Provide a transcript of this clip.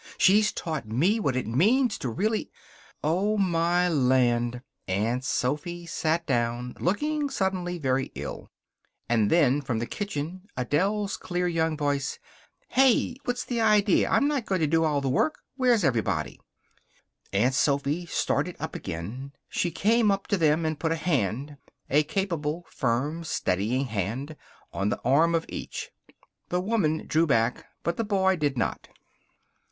She's taught me what it means to really " "Oh, my land!" Aunt Sophy sat down, looking suddenly very ill. And then, from the kitchen, Adele's clear young voice: "Heh! What's the idea! I'm not going to do all the work. Where's everybody?" Aunt Sophy started up again. She came up to them and put a hand a capable, firm, steadying hand on the arm of each. The woman drew back, but the boy did not.